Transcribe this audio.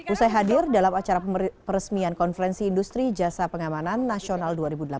usai hadir dalam acara peresmian konferensi industri jasa pengamanan nasional dua ribu delapan belas